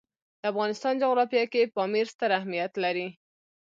د افغانستان جغرافیه کې پامیر ستر اهمیت لري.